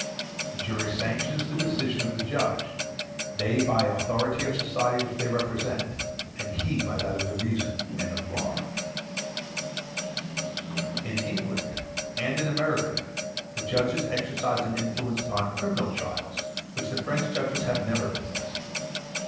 The jury sanctions the decision of the judge, they by the authority of society which they represent, and he by that of reason and of law. *h h [ See Appendix, R.] In England and in America the judges exercise an influence upon criminal trials which the French judges have never possessed.